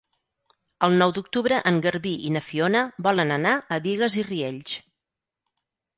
El nou d'octubre en Garbí i na Fiona volen anar a Bigues i Riells.